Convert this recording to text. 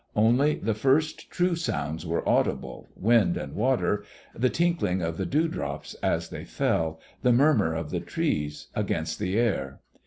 Only the first, true sounds were audible wind and water the tinkling of the dewdrops as they fell, the murmur of the trees against the air.